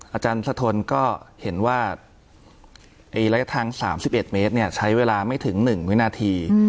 อาจารย์สะทนก็เห็นว่าระยะทาง๓๑เมตรใช้เวลาไม่ถึง๑วินาที